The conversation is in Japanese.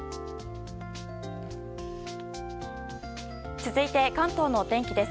続いて、関東の天気です。